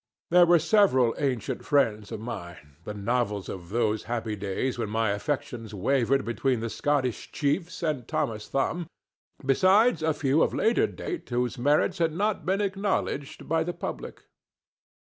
There were several ancient friends of mine—the novels of those happy days when my affections wavered between the Scottish Chiefs and Thomas Thumb—besides a few of later date whose merits had not been acknowledged by the public.